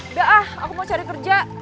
udah ah aku mau cari kerja